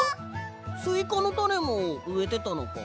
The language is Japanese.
スイカのたねもうえてたのか？